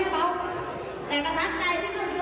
พี่โบ๊คพี่โบ๊คแต่ประทับใจที่สุดคืออะไร